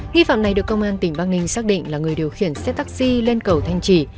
nghi phạm này được công an tỉnh bắc ninh xác định là người điều khiển xe taxi lên cầu thanh trì